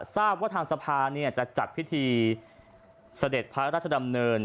ทราบว่าทางสภาจะจัดพิธีเสด็จพระราชดำเนิน